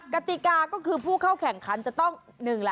กติกาก็คือผู้เข้าแข่งขันจะต้อง